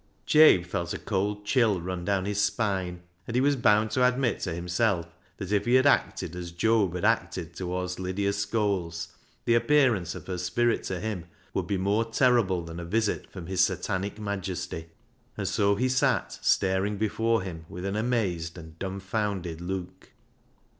Jabe felt a cold chill run down his spine, and he was bound to admit to himself that if he had acted as Job had acted towards Lydia Scholes, the appearance of her spirit to him would be more terrible than a visit from his satanic majesty, and so he sat staring before him with an amazed and dumbfounded look.